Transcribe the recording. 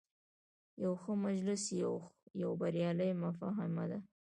یو ښه مجلس یوه بریالۍ مفاهمه ده.